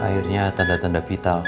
akhirnya tanda tanda vital